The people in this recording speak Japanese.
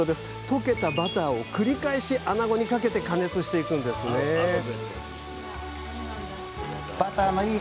溶けたバターを繰り返しあなごにかけて加熱していくんですねうわ！